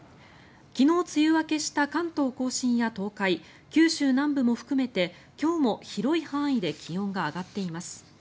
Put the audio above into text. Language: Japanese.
昨日梅雨明けした関東・甲信や東海、九州南部も含めて今日も広い範囲で気温が上がっています。